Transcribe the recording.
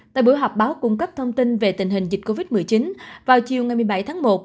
tại buổi họp báo cung cấp thông tin về tình hình dịch covid một mươi chín vào chiều ngày một mươi bảy tháng một